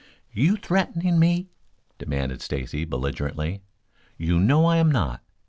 "You threatening me?" demanded Stacy belligerently. "You know I am not.